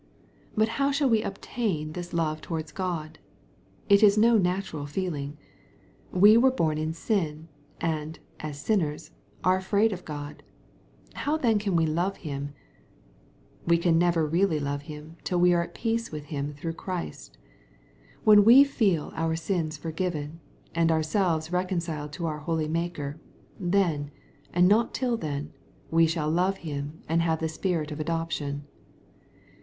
But how shall we obtain this love towards God ? It ifl no natural feeling. We are born in sin, and, as sinnersj are afraid of God. How then can we love Him ? We can never really love Him till we are at peace with Him through Christ. When we feel our sins forgiven, and ourselves reconciled to our holy Maker, then, and not till then, we shall love Him and have the spirit of adoption.